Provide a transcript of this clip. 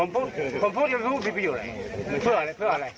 ผมพูดอยู่อะไรเพื่ออะไรเพื่ออะไร